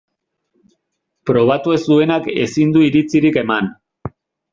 Probatu ez duenak ezin du iritzirik eman.